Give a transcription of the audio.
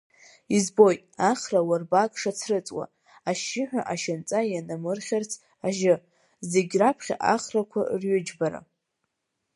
Избоит, ахра уарбак шацрыҵуа, ашьшьыҳәа, ашьанҵа ианамырхьырц ажьы, зегь раԥхьа ахрақәа рҩыџьбара…